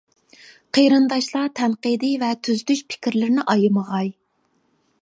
قېرىنداشلار تەنقىدىي ۋە تۈزىتىش پىكىرلىرىنى ئايىمىغاي.